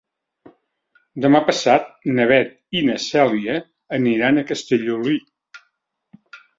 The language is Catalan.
Demà passat na Beth i na Cèlia aniran a Castellolí.